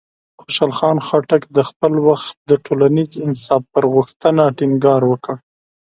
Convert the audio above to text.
خوشحال خان خټک د خپل وخت د ټولنیز انصاف پر غوښتنه ټینګار وکړ.